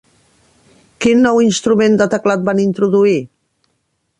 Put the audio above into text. Quin nou instrument de teclat van introduir?